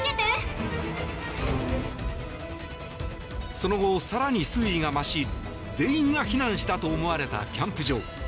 その後、更に水位が増し全員が避難したと思われたキャンプ場。